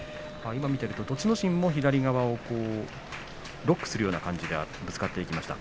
今見てみると栃ノ心も左側をロックするような感じでぶつかっていきました。